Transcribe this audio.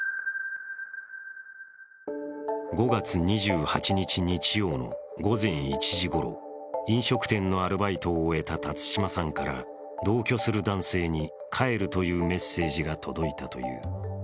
５月２８日日曜の午前１時ごろ、飲食店のアルバイトを終えた辰島さんから同居する男性に「帰る」というメッセージが届いたという。